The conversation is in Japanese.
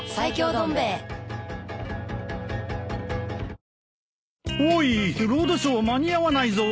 どん兵衛おーいロードショー間に合わないぞ。